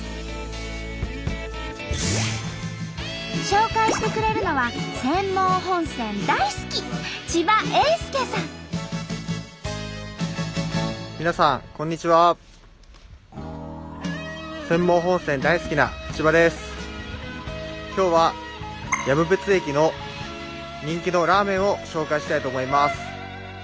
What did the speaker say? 紹介してくれるのは釧網本線大好き今日は止別駅の人気のラーメンを紹介したいと思います。